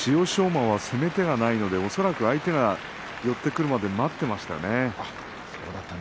馬は攻め手がないので相手が寄ってくるまで待っていましたね。